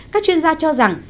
các chuyên gia cho rằng